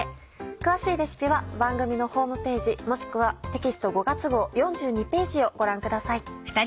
詳しいレシピは番組のホームページもしくはテキスト５月号４２ページをご覧ください。